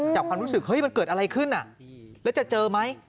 ความรู้สึกเฮ้ยมันเกิดอะไรขึ้นแล้วจะเจอไหม